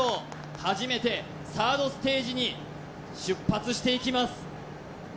初めてサードステージに出発していきます